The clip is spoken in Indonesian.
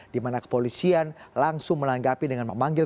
di mana kepolisian langsung menanggapi dengan memanggil